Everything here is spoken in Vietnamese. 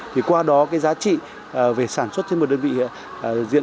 thì qua đó cái giá trị về sản xuất trên một đơn vị diện tích đã tăng từ hai đến ba lần